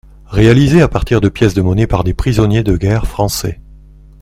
Réalisée à partir de pièces de monnaie par des prisonniers de guerre français.